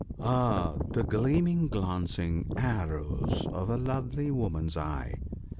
—" Ah ! the gleaming, glancing arrows of a lovely woman's eye